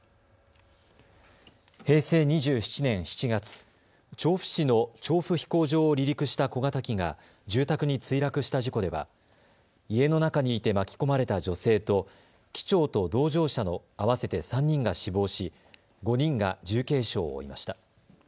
平成２７年７月、調布市の調布飛行場を離陸した小型機が住宅に墜落した事故では家の中にいて巻き込まれた女性と機長と同乗者の合わせて３人が死亡し５人が重軽傷を負いました。